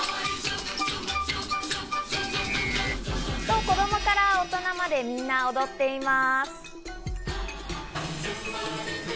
子供から大人まで、みんな踊っています。